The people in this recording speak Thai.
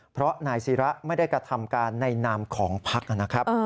เพราะนายศิระไม่ได้กระทำการในนามของพักนะครับ